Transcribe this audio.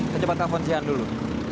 saya coba telepon jian dulu